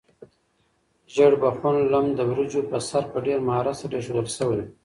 ژیړبخون لم د وریجو په سر په ډېر مهارت سره ایښودل شوی و.